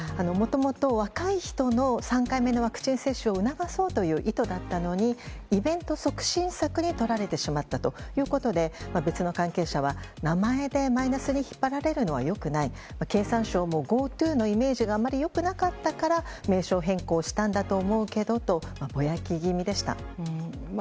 もともと若い人の３回目のワクチン接種を促そうという意図だったのにイベント促進策に取られてしまったということで別の関係者は名前でマイナスに引っ張られるのは良くない経産省もＧｏＴｏのイメージがあまり良くなかったから名称変更したんだと思うけどとぼやき気味でした。